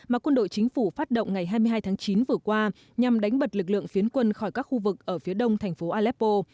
mà quân đội chính phủ phát động ngày hai mươi hai tháng chín vừa qua nhằm đánh bật lực lượng phiến quân khỏi các khu vực ở phía đông thành phố aleppo